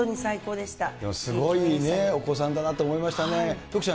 でもすごいね、お子さんだなと思いましたね。